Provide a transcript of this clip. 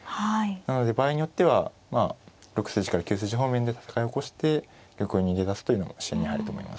なので場合によっては６筋から９筋方面で戦いを起こして玉を逃げ出すというのも視野に入ると思います。